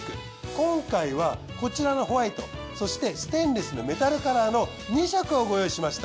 今回はこちらのホワイトそしてステンレスのメタルカラーの２色をご用意しました。